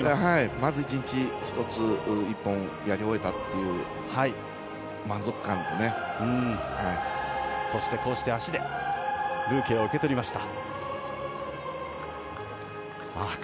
まず１日１つ、１本やり終えたというそして足でブーケを受け取りました。